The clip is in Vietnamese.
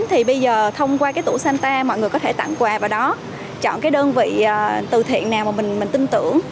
thì bây giờ thông qua cái tủ santa mọi người có thể tặng quà vào đó chọn cái đơn vị từ thiện nào mà mình tin tưởng